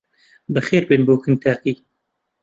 بەخێربێن بۆ کنتاکی!